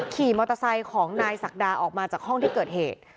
ขี่มอเตอร์ไซค์ของนายศักดาออกมาจากห้องที่เกิดเหตุ